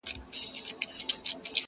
یار ګیله من له دې بازاره وځم،